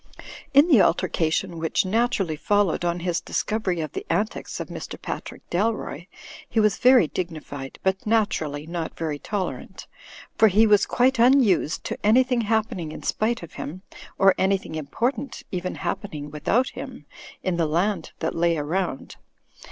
In the altercation which naturally followed on his discovery of the antics of Mr. Patrick Dalroy, he was very dignified, but naturally not very tolerant; for he was quite unused to an3rthing happening in spite of him, or an3rthing important even happening without him, in the land that lay around.